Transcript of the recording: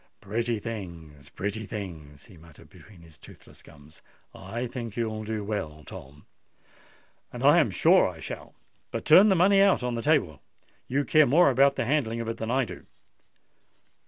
"Pretty things—pretty things!" he muttered between his toothless gums. "I think you'll do well, Tom." "And I am sure I shall. But turn the money out on the table: you care more about the handling of it than I do."